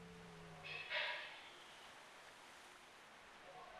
Ve své volné fotografické tvorbě se věnuje portrétní a dokumentární fotografii.